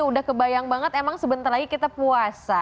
udah kebayang banget emang sebentar lagi kita puasa